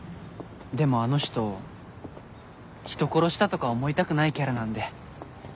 でもあの人人殺したとか思いたくないキャラなんで。